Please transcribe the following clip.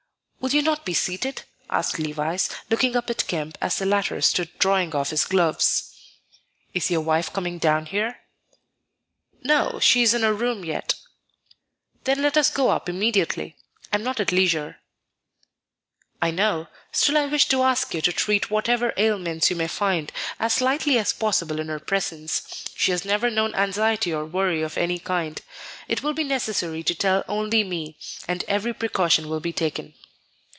"Will you not be seated?" asked Levice, looking up at Kemp as the latter stood drawing off his gloves. "Is your wife coming down here?" "No; she is in her room yet." "Then let us go up immediately. I am not at leisure." "I know. Still I wish to ask you to treat whatever ailments you may find as lightly as possible in her presence; she has never known anxiety or worry of any kind. It will be necessary to tell only me, and every precaution will be taken."